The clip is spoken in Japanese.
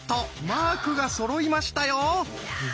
マークがそろいましたよ！